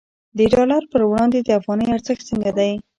د ډالر پر وړاندې د افغانۍ ارزښت څنګه دی؟